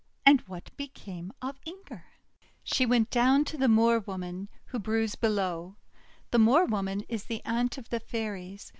And what became of Inger? 406 THE WONDER GARDEN She went down to the Moor Woman, who brews below. The Moor Woman is the aunt of the Fairies.